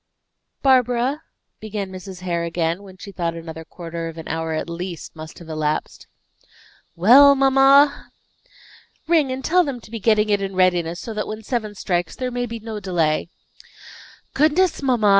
"Barbara," began Mrs. Hare again, when she thought another quarter of an hour at least must have elapsed. "Well, mamma?" "Ring, and tell them to be getting it in readiness so that when seven strikes there may be no delay." "Goodness, mamma!